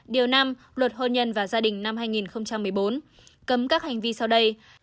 điều năm luật hôn nhân và gia đình năm hai nghìn một mươi bốn cấm các hành vi sau đây